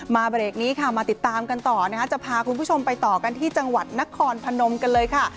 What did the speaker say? เบรกนี้ค่ะมาติดตามกันต่อนะคะจะพาคุณผู้ชมไปต่อกันที่จังหวัดนครพนมกันเลยค่ะ